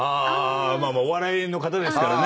まあまあお笑いの方ですからね。